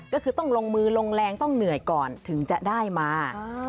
ก็คือต้องลงมือลงแรงต้องเหนื่อยก่อนถึงจะได้มา